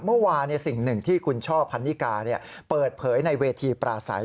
เมื่อวานสิ่งหนึ่งที่คุณช่อพันนิกาเปิดเผยในเวทีปราศัย